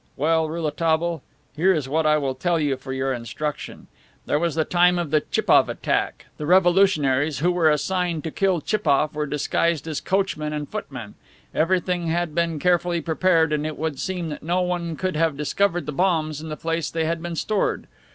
Well, Rouletabille, here is what I will tell you for your instruction. There was the time of the Tchipoff attack; the revolutionaries who were assigned to kill Tchipoff were disguised as coachmen and footmen. Everything had been carefully prepared and it would seem that no one could have discovered the bombs in the place they had been stored.